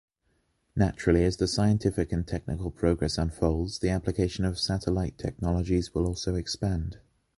Naturally, as the scientific and technical progress unfolds, the application of satellite technologies will also expand.